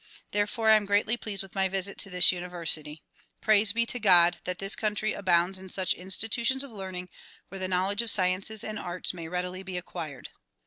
Therefore I am greatly pleased with my visit to this uni versity. Praise be to God! that this country abounds in such institutions of learning where the knowledge of sciences and arts may readily be acquired.